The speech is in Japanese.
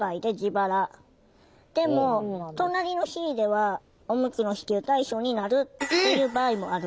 でも隣の市ではおむつも支給対象になるっていう場合もある。